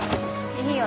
いいよ。